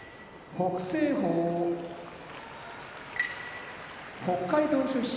北青鵬北海道出身